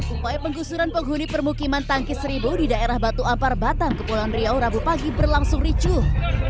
upaya penggusuran penghuni permukiman tangkis seribu di daerah batu ampar batang kepulauan riau rabu pagi berlangsung ricuh